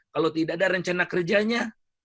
kalau tidak ada rencana kerjanya